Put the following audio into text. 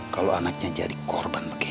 kalau anaknya jadi korban begini